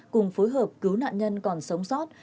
cùng phối hợp cứu nạn nhân còn sống sót